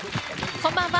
こんばんは。